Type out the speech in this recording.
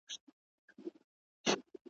د لېوه زوی نه اموخته کېږي ,